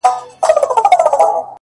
څنگه دي زړه څخه بهر وباسم-